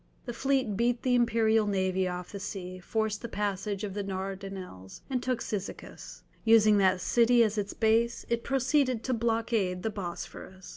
The fleet beat the imperial navy off the sea, forced the passage of the Dardanelles, and took Cyzicus. Using that city as its base, it proceeded to blockade the Bosphorus.